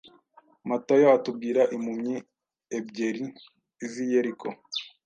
Matayo atubwira impumyi ebyeri z‟i Yeriko